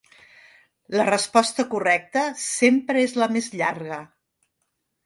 La resposta correcta sempre és la més llarga.